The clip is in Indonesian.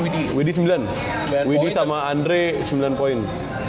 widi sembilan widi sama andre sembilan poin